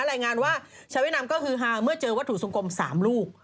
รายงานว่าชาวเวียดนามก็คือฮาเมื่อเจอวัตถุทรงกลม๓ลูก